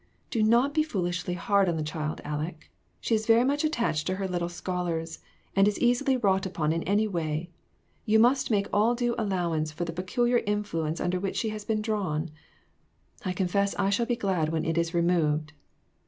" Do not be foolishly hard on the child, Aleck ; she is very much attached to her little scholars, and is easily wrought upon in any way. You must make all due allowance for the peculiar influ ence under which she has been drawn. I confess I shall be glad when it is removed."